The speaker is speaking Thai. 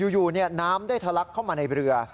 อยู่น้ำได้ทะลักเข้ามาในเรือ